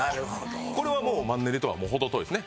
これはもうマンネリとは程遠いですね。